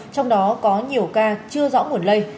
trong đó có nhiều ca chưa rõ nguồn lây